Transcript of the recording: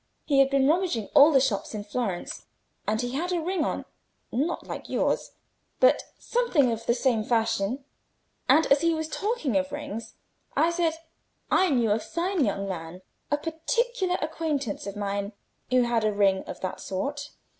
He had been rummaging all the shops in Florence. And he had a ring on—not like yours, but something of the same fashion; and as he was talking of rings, I said I knew a fine young man, a particular acquaintance of mine, who had a ring of that sort.